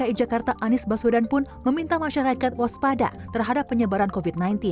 dki jakarta anies baswedan pun meminta masyarakat waspada terhadap penyebaran covid sembilan belas